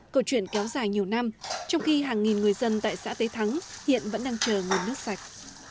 câu chuyện kéo dài nhiều năm trong khi hàng nghìn người dân tại xã tế thắng hiện vẫn đang chờ nguồn nước sạch